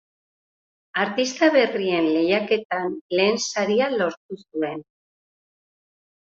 Artista Berrien Lehiaketan lehen saria lortu zuen.